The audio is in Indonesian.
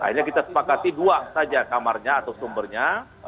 akhirnya kita sepakati dua saja kamarnya atau sumbernya